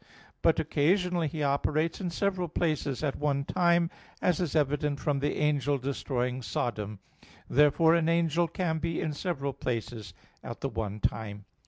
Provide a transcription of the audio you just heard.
But occasionally he operates in several places at one time, as is evident from the angel destroying Sodom (Gen. 19:25). Therefore an angel can be in several places at the one time.